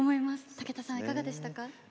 武田さんはいかがでしたか？